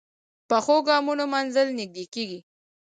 پخو ګامونو منزل نږدې کېږي